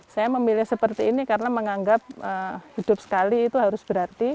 saya memilih seperti ini karena menganggap hidup sekali itu harus berarti